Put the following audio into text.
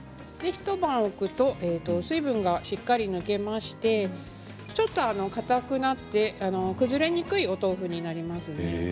一晩置くと水分がしっかり抜けましてちょっとかたくなって崩れにくいお豆腐になりますね。